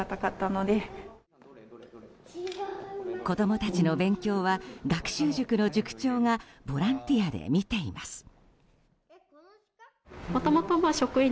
子供たちの勉強は学習塾の塾長がボランティアで見ています。